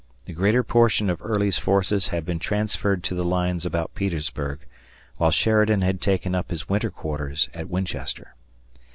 The greater portion of Early's forces had been transferred to the lines about Petersburg, while Sheridan had taken up his winter quarters at Winchester.